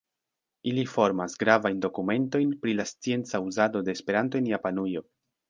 Ili formas gravajn dokumentojn pri la scienca uzado de Esperanto en Japanujo.